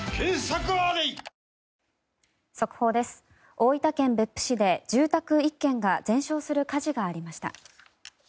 大分県別府市で住宅１軒が全焼する火事がありました。